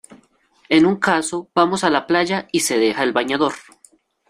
Es un caso, vamos a la playa y se deja el bañador.